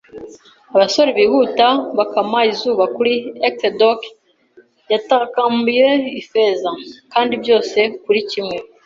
abasore bihuta bakama izuba kuri Exec Dock? ” Yatakambiye Ifeza. “Kandi byose kuri kimwe